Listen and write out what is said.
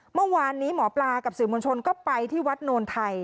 เมื่อวานนี้หมอปลากับสื่อมวลชนก็ไปที่วัดโนนไทย